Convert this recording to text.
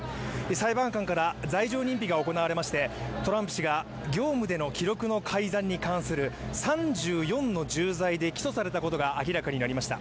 裁判官から罪状認否が行われまして、トランプ氏が業務での記録の改ざんに関する３４の重罪で起訴されたことが明らかになりました。